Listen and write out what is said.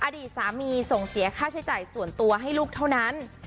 อดีตสามีส่งเสียค่าใช้จ่ายส่วนตัวให้ลูกเท่านั้น